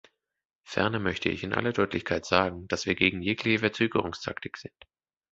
Ferner möchte ich in aller Deutlichkeit sagen, dass wir gegen jegliche Verzögerungstaktik sind.